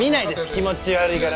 気持ち悪いから。